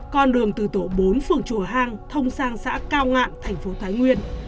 con đường từ tổ bốn phường chùa hang thông sang xã cao ngạn thành phố thái nguyên